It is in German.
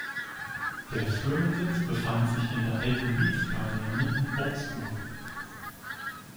Der Firmensitz befand sich in der alten Reese-Kaserne in Augsburg.